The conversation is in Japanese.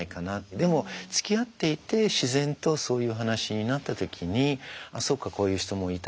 でもつきあっていて自然とそういう話になった時にあっそうかこういう人もいた。